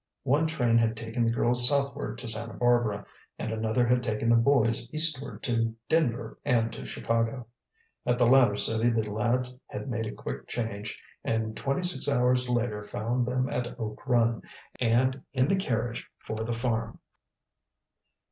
One train had taken the girls southward to Santa Barbara, and another had taken the boys eastward to Denver and to Chicago. At the latter city the lads had made a quick change, and twenty six hours later found them at Oak Run, and in the carriage for the farm.